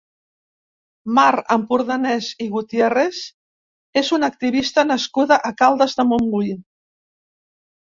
Mar Ampurdanès i Gutiérrez és una activista nascuda a Caldes de Montbui.